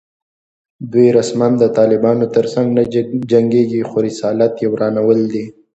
دوی رسماً د طالبانو تر څنګ نه جنګېږي خو رسالت یې ورانول دي